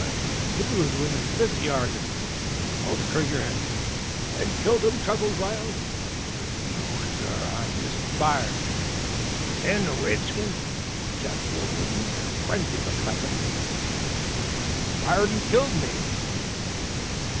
and he was within fifty yards of me. I pulled trigger, and " "And killed him?" chuckled Riley. "No, sir! I missed fire!" "And the red skin " shouted the old woodsman, in a frenzy of excitement. "_Fired and killed me!